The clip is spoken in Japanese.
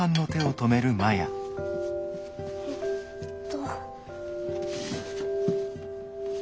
えっと。